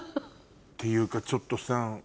っていうかちょっとさ